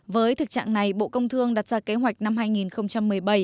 với thực trạng này bộ công thương đặt ra kế hoạch năm hai nghìn một mươi bảy